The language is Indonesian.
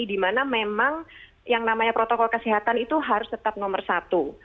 dimana memang yang namanya protokol kesehatan itu harus tetap nomor satu